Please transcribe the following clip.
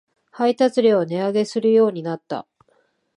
配達料を値上げするようになった